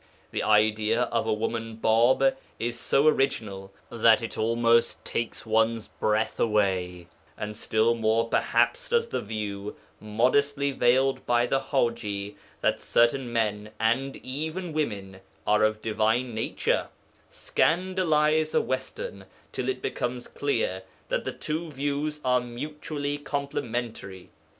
The idea of a woman Bāb is so original that it almost takes one's breath away, and still more perhaps does the view modestly veiled by the Haji that certain men and even women are of divine nature scandalize a Western till it becomes clear that the two views are mutually complementary.